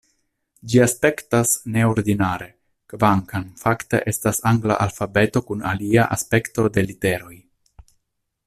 Ĝi aspektas neordinare, kvankam fakte estas angla alfabeto kun alia aspekto de literoj.